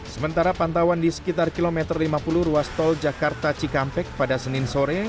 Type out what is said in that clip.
sementara pantauan di sekitar kilometer lima puluh ruas tol jakarta cikampek pada senin sore